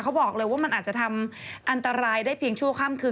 เขาบอกเลยว่ามันอาจจะทำอันตรายได้เพียงชั่วค่ำคืน